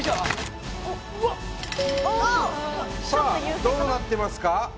さあどうなってますか？